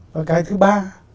và cái thứ ba